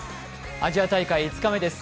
アジア大会５日目です。